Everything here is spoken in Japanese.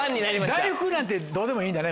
大福なんてどうでもいいんだね。